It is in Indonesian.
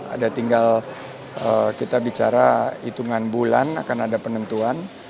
ada tinggal kita bicara hitungan bulan akan ada penentuan